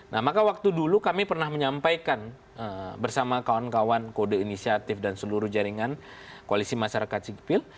nah maka waktu dulu kami pernah menyampaikan bersama kawan kawan kode inisiatif dan seluruh jaringan koalisi masyarakat sipil